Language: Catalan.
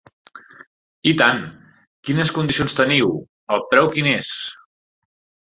I tant, quines condicions teniu, el preu quin és?